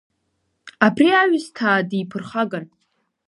Абри аҩсҭаа диԥырхаган.